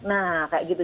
nah kayak gitu